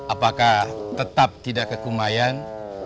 apakah tetap tidak ke kumain